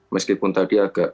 meskipun tadi sudah ditampilkan